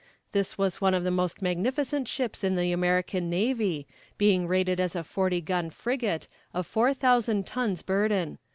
This was one of the most magnificent ships in the American navy, being rated as a forty gun frigate, of four thousand tons burden.